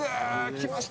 来ました。